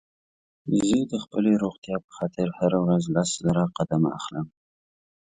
زه د خپلې روغتيا په خاطر هره ورځ لس زره قدمه اخلم